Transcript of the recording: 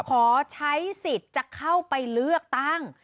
ขอใช้สิทธิ์จะเข้าไปเลือกตั้ง